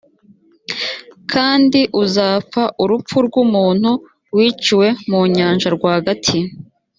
kandi uzapfa urupfu rw umuntu wiciwe mu nyanja rwagati